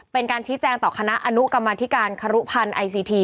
เป็นการชี้แจงต่อคณะอดีตการกรรมทฯ